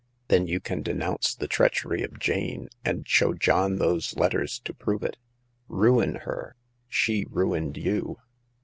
Then you can denounce the treachery of Jane, and show John those letters to prove it. Ruin her ! She ruined you."